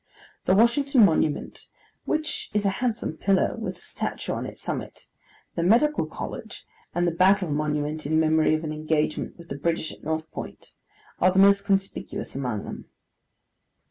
The Washington Monument, which is a handsome pillar with a statue on its summit; the Medical College; and the Battle Monument in memory of an engagement with the British at North Point; are the most conspicuous among them.